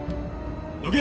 どけ！